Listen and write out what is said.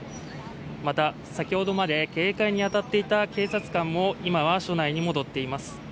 また、先ほどまで警戒に当たっていた警察官も今は署内に戻っています。